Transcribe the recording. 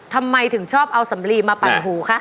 ทำไมถึงชอบเอาสำลีมาปัดหูคะ